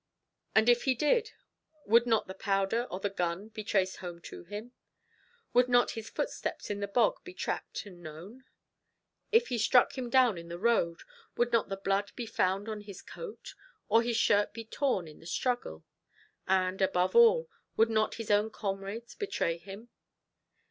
and if he did, would not the powder or the gun be traced home to him? would not his footsteps in the bog be tracked and known? if he struck him down on the road, would not the blood be found on his coat, or his shirt be torn in the struggle? and, above all, would not his own comrades betray him?